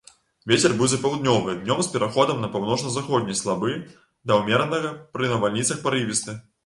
Вецер будзе паўднёвы, днём з пераходам на паўночна-заходні слабы да ўмеранага, пры навальніцах парывісты.